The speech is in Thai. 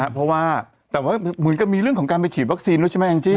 เพราะว่าแต่ว่าเหมือนกับมีเรื่องของการไปฉีดวัคซีนด้วยใช่ไหมแองจี้